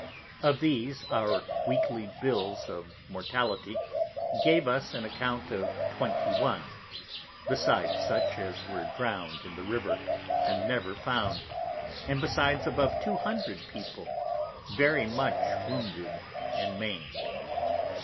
Of these, our Weekly Bills of Mortality gave us an Account of Twenty One; besides such as were drown'd in the River, and never found: and besides above Two Hundred People very much wounded and maim'd.